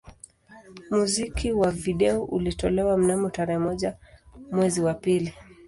Muziki wa video ulitolewa mnamo tarehe moja mwezi wa pili